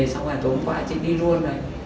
xong rồi tối hôm qua chị đi luôn